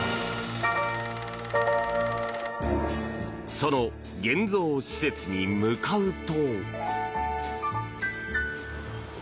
その現像施設に向かうと。